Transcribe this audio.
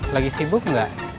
lagi sibuk enggak